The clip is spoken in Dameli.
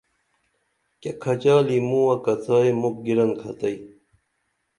کیہ کھچالی موں کڅائی مُکھ گِرن کھتئی